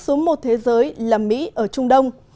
xuống một thế giới là mỹ ở trung đông